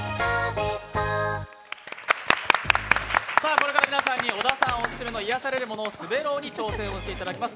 これから皆さんに小田さんオススメの癒やされるもの「滑狼」に挑戦していただきます。